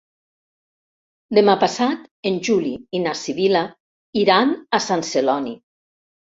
Demà passat en Juli i na Sibil·la iran a Sant Celoni.